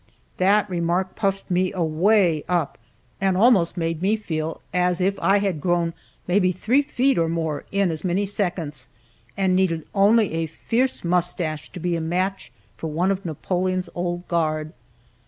That remark puffed me away up, and almost made me feel as if I had grown maybe three feet, or more, in as many seconds, and needed only a fierce mustache to be a match for one of Napoleon's Old Guard.